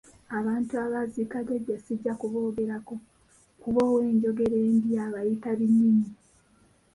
Abantu abaaziika Jjajja ssijja kuboogerako kuba owenjogerambi abayita binyinyi.